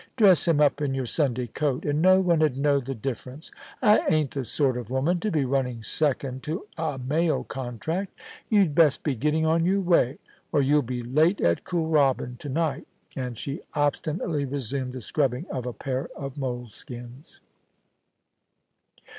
Dress him up in your Sunday coat, and no one 'ud know the difference. I ain't the sort of woman to be running second to a mail contract You'd best be getting on your way, or you'll be late at Kooralb)Ti to night' And she obstinately resumed the scrubbing of a pair of moleskins.